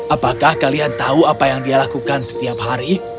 apakah kalian tahu apa yang dia lakukan setiap hari